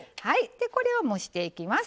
でこれを蒸していきます。